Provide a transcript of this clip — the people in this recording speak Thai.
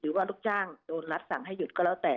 ว่าลูกจ้างโดนรัฐสั่งให้หยุดก็แล้วแต่